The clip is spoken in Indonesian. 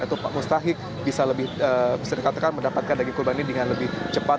atau pak mustahik bisa lebih bisa dikatakan mendapatkan daging kurban ini dengan lebih cepat